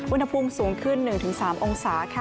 อุณหภูมิสูงขึ้น๑๓องศาค่ะ